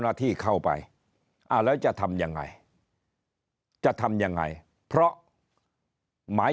หน้าที่เข้าไปอ่าแล้วจะทำยังไงจะทำยังไงเพราะหมาย